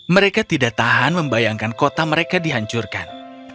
mereka tidak tahan membayangkan kota mereka dihancurkan